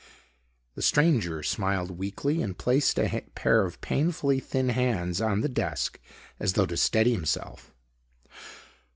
The stranger smiled weakly and placed a pair of painfully thin hands on the desk as though to steady himself.